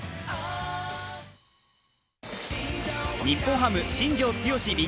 日本ハム、新庄剛志